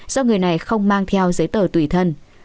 do người này không mang theo giấy tờ tùy thân